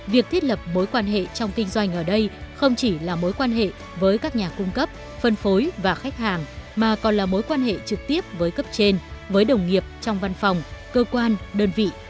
việc thiết lập mối quan hệ trong kinh doanh ở đây không chỉ là mối quan hệ với các nhà cung cấp phân phối và khách hàng mà còn là mối quan hệ trực tiếp với cấp trên với đồng nghiệp trong văn phòng cơ quan đơn vị